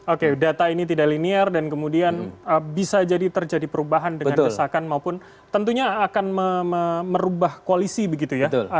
oke data ini tidak linear dan kemudian bisa jadi terjadi perubahan dengan desakan maupun tentunya akan merubah koalisi begitu ya